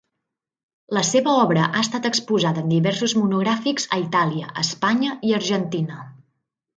La seva obra ha estat exposada en diversos monogràfics a Itàlia, Espanya i Argentina.